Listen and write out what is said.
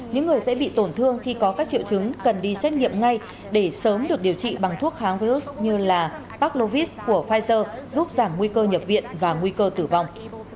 những người dễ bị tổn thương khi có các triệu chứng cần đi xét nghiệm ngay để sớm được điều trị bằng thuốc kháng virus như là paclovis của pfizer giúp giảm nguy cơ nhập viện và nguy cơ tử vong